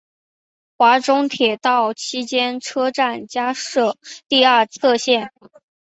华中铁道期间车站加设第二条侧线。